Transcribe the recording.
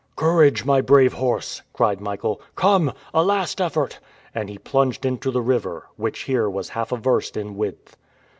"Courage, my brave horse!" cried Michael. "Come! A last effort!" And he plunged into the river, which here was half a verst in width.